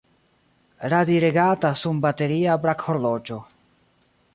Radiregata sunbateria brakhorloĝo.